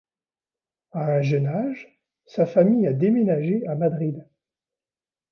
À un jeune âge, sa famille a déménagé à Madrid.